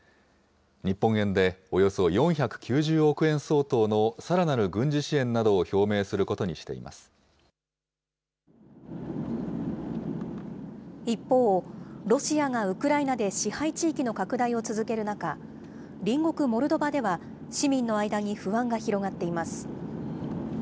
日本円でおよそ４９０億円相当のさらなる軍事支援などを表明する一方、ロシアがウクライナで支配地域の拡大を続ける中、隣国モルドバでは、市民の間に不安が広がっています。